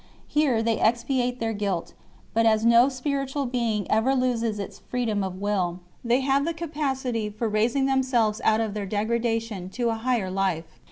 Here they expiate their guilt 2 ; but as no spiritual being ever loses its freedom of will, they have the capacity for raising them selves out of their degradation to a higher life 3